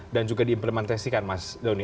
dan juga diimplementasikan mas duni